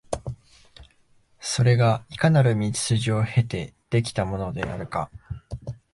それがいかなる道筋を経て出来てきたものであるか、